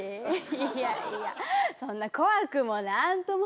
「いやいやそんな怖くもなんとも」。